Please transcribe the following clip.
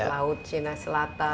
laut cina selatan